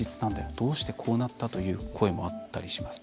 どうしてこうなった？」という声もあったりします。